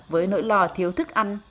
với nỗi lo thiếu thức ăn